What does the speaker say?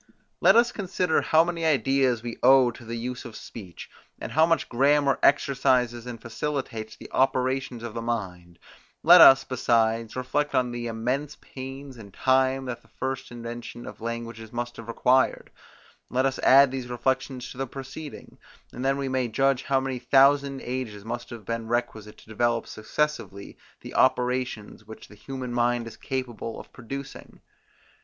Let us consider how many ideas we owe to the use of speech; how much grammar exercises, and facilitates the operations of the mind; let us, besides, reflect on the immense pains and time that the first invention of languages must have required: Let us add these reflections to the preceding; and then we may judge how many thousand ages must have been requisite to develop successively the operations, which the human mind is capable of producing.